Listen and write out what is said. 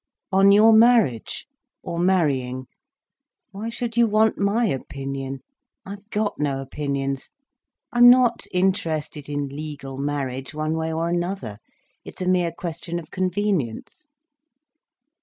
"On your marriage?—or marrying? Why should you want my opinion? I've got no opinions. I'm not interested in legal marriage, one way or another. It's a mere question of convenience."